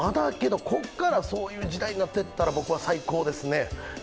ここからそういう時代になっていったら、僕は最高ですね。